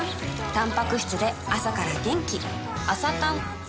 たんぱく質で朝から元気